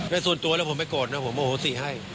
ส่วนตัวแล้วผมไม่โกรธนะผมโอโหสิให้